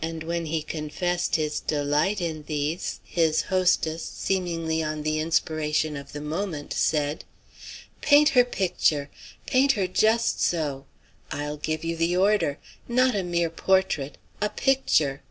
And when he confessed his delight in these, his hostess, seemingly on the inspiration of the moment, said: "Paint her picture! Paint her just so! I'll give you the order. Not a mere portrait a picture."